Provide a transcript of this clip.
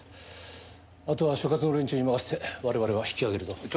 あとは所轄の連中に任せて我々は引き揚げる事に。